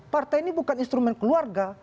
partai ini bukan instrumen keluarga